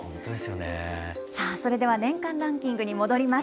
さあ、それでは年間ランキングに戻ります。